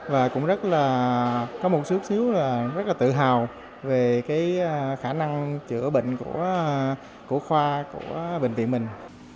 và cũng rất là có một xíu xíu là rất là tự hào về cái khả năng chữa bệnh của khoa của bệnh viện mình